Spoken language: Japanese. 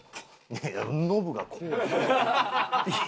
いやノブがこうやん。